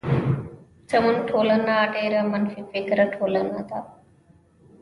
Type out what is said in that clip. زمونږ ټولنه ډيره منفی فکره ټولنه ده.